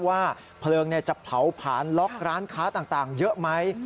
ว่าเพลิงจะเผาผลานล็อกร้านค้าต่างเยอะไหม